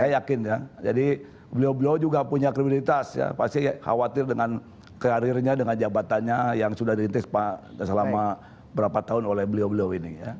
saya yakin ya jadi beliau beliau juga punya kriminalitas ya pasti khawatir dengan karirnya dengan jabatannya yang sudah dirintis pak selama berapa tahun oleh beliau beliau ini